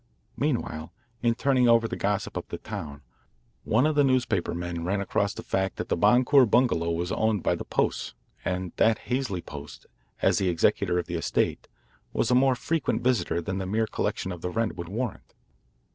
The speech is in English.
Meanwhile, in turning over the gossip of the town, one of the newspapermen ran across the fact that the Boncour bungalow was owned by the Posts, and that Halsey Post, as the executor of the estate, was a more frequent visitor than the mere collection of the rent would warrant.